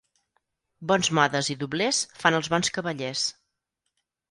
Bons modes i doblers fan els bons cavallers.